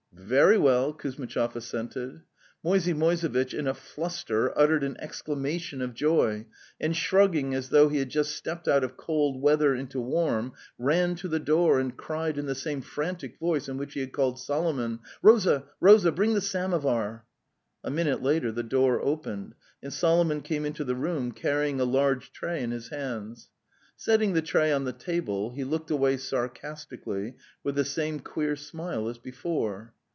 '' Very well," Kuzmitchov assented. Moisey Moisevitch, in a fluster uttered an exclamation of joy, and shrugging as though he had just stepped out of cold weather into warm, ran to the door and cried in the same frantic voice in which he had called Solomon: '" Rosa! Rosa! Bring the samovar!"' A minute later the door opened, and Solomon came into the room carrying a large tray in his hands. Setting the tray on the table, he looked away sarcastically with the same queer smile as before.